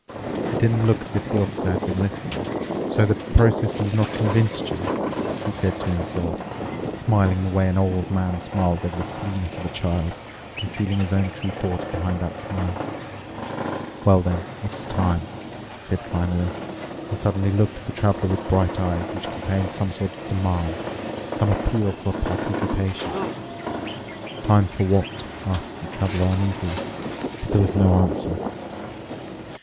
It didn't look as if the Officer had been listening. "So the process has not convinced you," he said to himself, smiling the way an old man smiles over the silliness of a child, concealing his own true thoughts behind that smile. "Well then, it's time," he said finally and suddenly looked at the Traveler with bright eyes which contained some sort of demand, some appeal for participation. "Time for what?" asked the Traveler uneasily. But there was no answer.